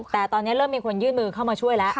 แต่ตอนนี้เริ่มมีคนยื่นมือเข้ามาช่วยแล้ว